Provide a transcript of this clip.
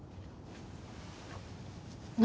何？